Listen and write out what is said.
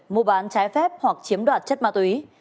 mua bán trái phép hoặc chiếm đoạt chất ma túy